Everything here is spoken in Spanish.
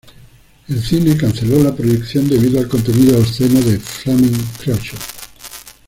El cine canceló la proyección debido al contenido obsceno de "Flaming Creatures.